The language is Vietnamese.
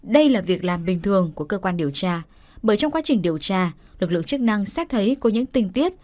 đây là việc làm bình thường của cơ quan điều tra bởi trong quá trình điều tra lực lượng chức năng xét thấy có những tình tiết